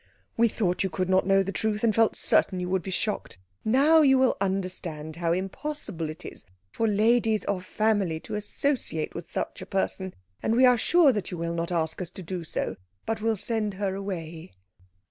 "We thought you could not know the truth, and felt certain you would be shocked. Now you will understand how impossible it is for ladies of family to associate with such a person, and we are sure that you will not ask us to do so, but will send her away."